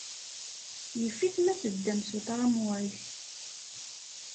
Yif-it ma teddam s uṭramway.